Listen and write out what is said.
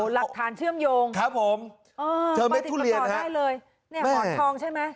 หลักฐานเชื่อมโยงครับผมเออเจอเม็ดทุเรียนฮะหอมคลองใช่ไหม